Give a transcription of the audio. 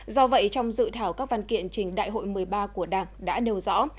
do vậy trong dự thảo các văn kiện trình đại hội một mươi ba của đảng đã nêu rõ